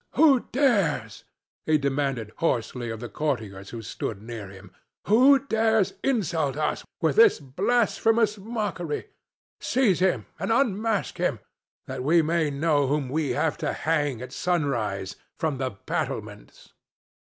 "Who dares?" he demanded hoarsely of the courtiers who stood near him—"who dares insult us with this blasphemous mockery? Seize him and unmask him—that we may know whom we have to hang at sunrise, from the battlements!"